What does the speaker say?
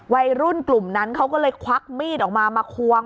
วัยรุ่นกลุ่มนั้นเขาก็เลยควักมีดออกมามาควง